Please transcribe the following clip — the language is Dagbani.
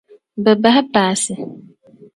Bɛ bahi paasi.